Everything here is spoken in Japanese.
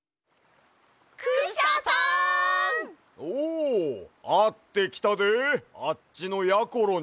おあってきたであっちのやころに。